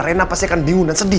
arena pasti akan bingung dan sedih